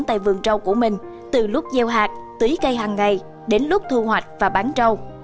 tại vườn rau của mình từ lúc gieo hạt tưới cây hằng ngày đến lúc thu hoạch và bán rau